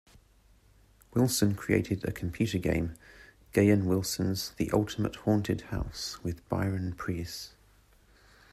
Wilson created a computer game, "Gahan Wilson's The Ultimate Haunted House", with Byron Preiss.